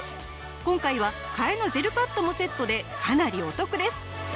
今回は替えのジェルパッドもセットでかなりお得です！